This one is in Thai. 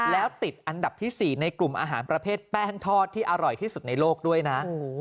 แล้วติดอันดับที่๔ในกลุ่มอาหารประเภทแป้งทอดที่อร่อยที่สุดในโลกด้วยนะ